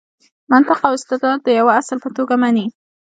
منطق او استدلال د یوه اصل په توګه مني.